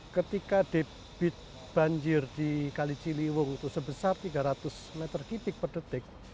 ketika debit banjir di kali ciliwung itu sebesar tiga ratus meter kipik per detik